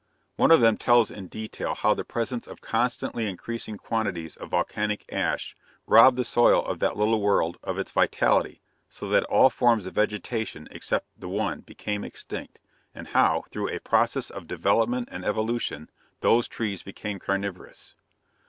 One of them tells in detail how the presence of constantly increasing quantities of volcanic ash robbed the soil of that little world of its vitality, so that all forms of vegetation except the one became extinct, and how, through a process of development and evolution, those trees became carniverous.